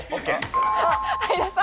相田さん。